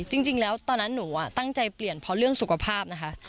จริงแล้วตอนนั้นหนูตั้งใจเปลี่ยนเพราะเรื่องสุขภาพนะคะ